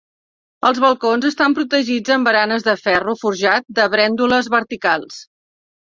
Els balcons estan protegits amb baranes de ferro forjat de brèndoles verticals.